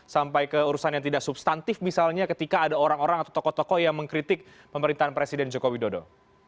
sampai ke urusan yang tidak substantif misalnya ketika ada orang orang atau tokoh tokoh yang mengkritik pemerintahan presiden joko widodo